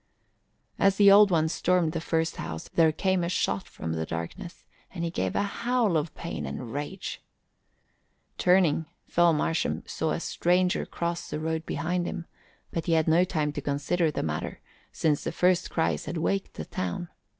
As the Old One stormed the first house, there came a shot from the darkness and he gave a howl of pain and rage. Turning, Phil Marsham saw a stranger cross the road behind him, but he had no time to consider the matter, since the first cries had waked the town.